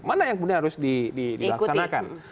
mana yang kemudian harus dilaksanakan